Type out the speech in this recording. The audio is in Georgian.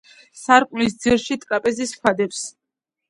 სარკმლის ძირში ტრაპეზის ქვა დევს.